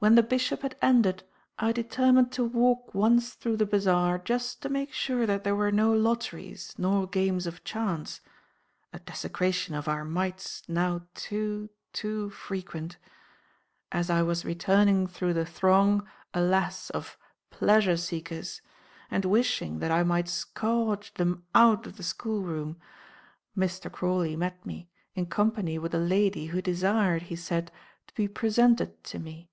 When the Bishop had ended, I determined to walk once through the bazaar just to make sure that there were no lotteries nor games of chance—a desecration of our mites now too, too frequent. As I was returning through the throng, alas! of pleasure seekers, and wishing that I might scourge them out of the schoolroom, Mr. Crawley met me, in company with a lady who desired, he said, to be presented to me.